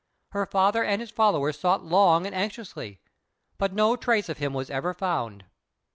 Her father and his followers sought long and anxiously, but no trace of him was ever found.